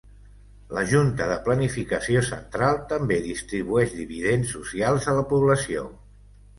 La junta de planificació central també distribueix dividends socials a la població.